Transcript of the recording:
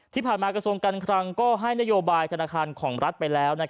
ที่ผ่านมากระทรวงกันครังก็ให้นโยบายธนาคารของรัฐไปแล้ว